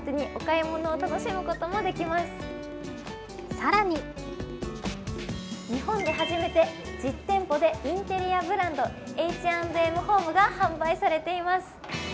更に日本で初めて実店舗でインテリアブランド、Ｈ＆ＭＨＯＭＥが販売されています。